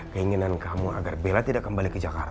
keinginan kamu agar bella tidak kembali ke jakarta